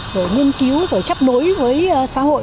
rồi nghiên cứu rồi chấp nối với xã hội